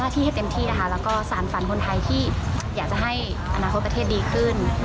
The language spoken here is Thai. ที่อยากจะให้อนาคตประเทศดีขึ้น